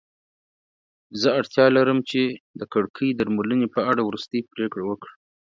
زه اړتیا لرم چې د کړکۍ درملنې په اړه وروستۍ پریکړه وکړم.